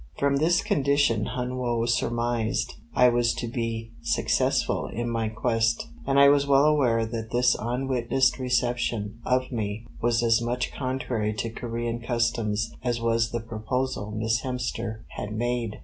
From this condition Hun Woe surmised I was to be successful in my quest, and I was well aware that this unwitnessed reception of me was as much contrary to Corean customs as was the proposal Miss Hemster had made.